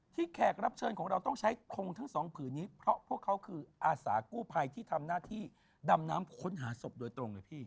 แขกรับเชิญของเราต้องใช้ทงทั้งสองผืนนี้เพราะพวกเขาคืออาสากู้ภัยที่ทำหน้าที่ดำน้ำค้นหาศพโดยตรงเลยพี่